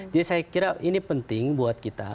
jadi saya kira ini penting buat kita